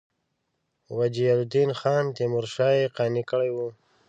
وجیه الدین خان تیمورشاه یې قانع کړی وو.